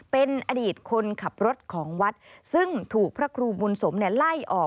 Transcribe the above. เป็นอดีตคนขับรถของวัดซึ่งถูกพระครูบุญสมไล่ออก